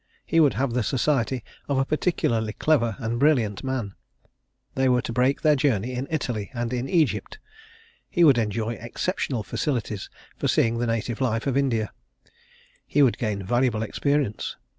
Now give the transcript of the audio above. He would have the society of a particularly clever and brilliant man; they were to break their journey in Italy and in Egypt; he would enjoy exceptional facilities for seeing the native life of India; he would gain valuable experience.